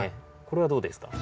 これはどうですか？